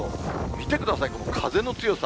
見てください、この風の強さ。